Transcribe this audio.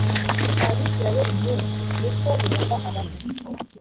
mwa bisirayeli mwe ni ko yehova abaza